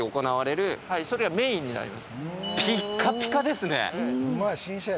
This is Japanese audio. それがメインになります。